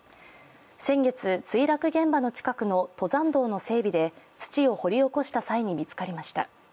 先月、墜落現場の近くの登山道の整備で土を掘り起こした際に見つかりました。